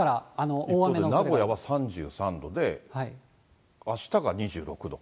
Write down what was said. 名古屋は３３度で、あしたが２６度。